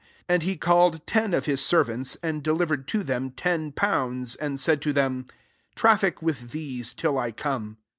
13 And be called ten of his ser vants, and delivered to them ten pounds, and said to them, ' Traffic vjith the^e till I come.'